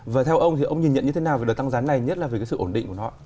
và theo ông thì ông nhìn nhận như thế nào về đợt tăng giá này nhất là về cái sự ổn định của nó